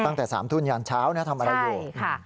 ตั้งแต่๓ทุ่มยานเช้านะทำอะไรอยู่